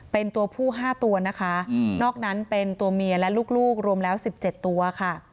เป็นตัวผู้๕ตัวนะคะนอกนั้นเป็นตัวเมียและลูกรวมแล้ว๑๗ตัวค่ะ